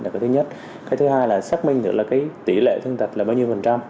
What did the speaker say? cái thứ hai là xác minh tỷ lệ thương tích là bao nhiêu phần trăm